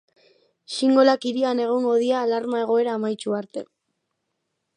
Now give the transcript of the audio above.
Xingolak hirian egongo dira alarma egoera amaitu arte.